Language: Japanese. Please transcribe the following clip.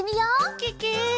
ケケ！